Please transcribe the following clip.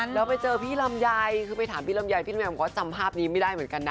แล้วไปเจอพี่ลำยัยคือไปถามพี่ลำยัยคือเขาสามภาพนี้ไม่ได้เหมือนกันนะ